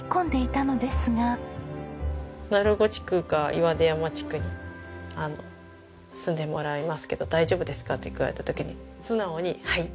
鳴子地区か岩出山地区に住んでもらいますけど大丈夫ですか？って聞かれた時に素直に「はい」って。